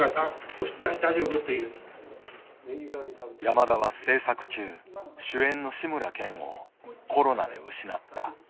山田は制作中主演の志村けんをコロナで失った。